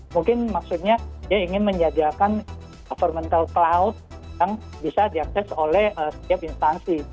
mungkin maksudnya dia ingin menjajalkan governmental cloud yang bisa diakses oleh setiap instansi